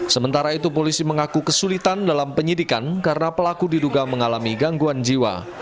sementara itu polisi mengaku kesulitan dalam penyidikan karena pelaku diduga mengalami gangguan jiwa